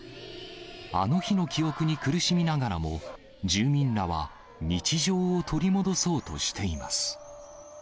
あの日の記憶に苦しみながらも、住民らは日常を取り戻そうとしています。